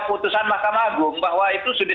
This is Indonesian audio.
putusan mahkamah agung bahwa itu sudah